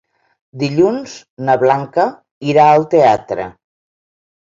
Dilluns na Blanca irà al teatre.